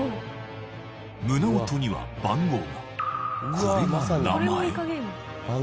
胸もとには番号がこれが名前？